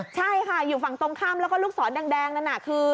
ใช่ค่ะอยู่ฝั่งตรงข้ามแล้วก็ลูกศรแดงนั่นน่ะคือ